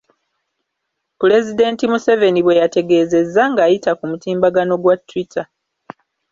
Pulezidenti Museveni bweyategeezezza ng’ayita ku mutimbagano gwa Twitter